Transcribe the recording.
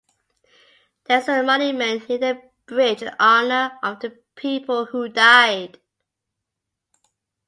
There is a monument near the bridge in honour of the people who died.